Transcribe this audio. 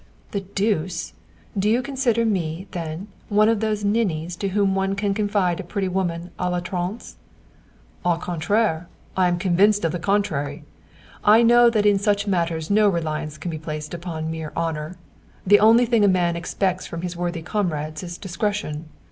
"The deuce! Do you consider me, then, one of those ninnies to whom one can confide a pretty woman à l'outrance?" "Au contraire! I am convinced of the contrary. I know that in such matters no reliance can be placed upon mere honour. The only thing a man expects from his worthy comrades is discretion.